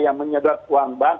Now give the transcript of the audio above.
yang menyedot uang bank